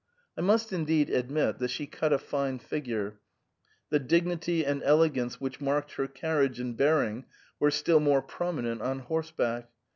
I must indeed admit that she cut a fine figure. The dig nity and elegance which marked her carriage and bear ing were still more prominent on horseback.